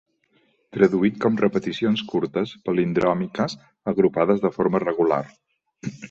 Traduït com repeticions curtes palindròmiques agrupades de forma regular.